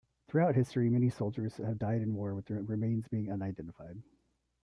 Throughout history, many soldiers have died in war with their remains being unidentified.